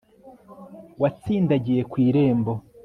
watsindagiye ku irembo